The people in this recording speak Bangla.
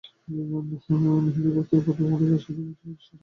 মেহেদিবাগ থেকে প্রবর্তক মোড়ে এসে দেখা যায় সড়কে যান চলাচল বন্ধ হয়ে গেছে।